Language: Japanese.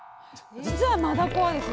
実はマダコはですね